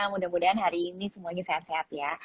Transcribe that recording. mudah mudahan hari ini semuanya sehat sehat ya